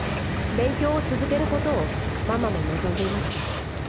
勉強を続けることをママも望んでいました。